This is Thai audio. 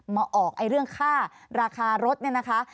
มาออกเรื่องค่าราคารถเนี่ยนะคะ